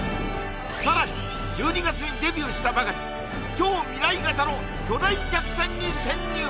さらに１２月にデビューしたばかり超未来型の巨大客船に潜入